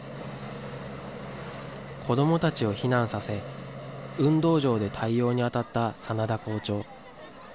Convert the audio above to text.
子どもたちを避難させ、運動場で対応に当たった眞田校長。